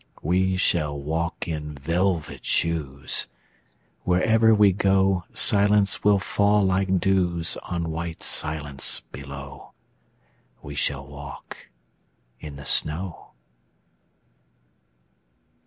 We shall walk in velvet shoes: Wherever we go Silence will fall like dews On white silence below. We shall walk in the snow.